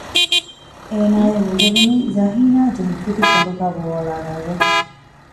އޭނާއަށް އިނދެވުނީ ޒަހީނާ ޖެހި ފިތި ކޮނޑުގައި ބޯއަޅާލައިގެން